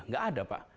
nggak ada pak